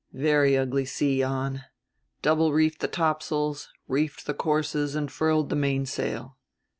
Very ugly sea on. Double reefed the Topsails, reefed the courses and furled the mainsail.